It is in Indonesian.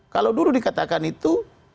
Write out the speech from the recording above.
kalau dulu dikatakan itu